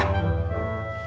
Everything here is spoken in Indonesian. ih alamaknya ditinggal lagi